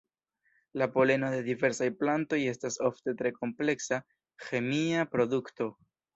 La poleno de diversaj plantoj estas ofte tre kompleksa "ĥemia produkto".